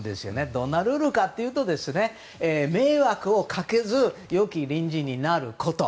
どんなルールかというと迷惑をかけず良き隣人になること。